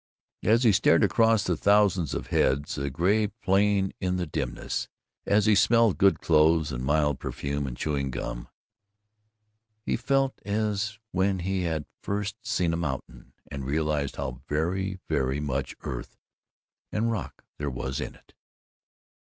As he stared across the thousands of heads, a gray plain in the dimness, as he smelled good clothes and mild perfume and chewing gum, he felt as when he had first seen a mountain and realized how very, very much earth and rock there was in it.